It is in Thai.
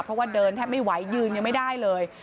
เพราะว่าเดินแทบไม่ไหวยืนยังไม่ได้เลย